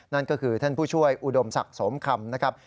นั่นก็คือท่านผู้ช่วยอุดมศักดิ์สมคำนะครับ